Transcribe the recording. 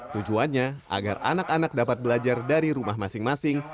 tujuannya agar anak anak dapat belajar dari rumah masing masing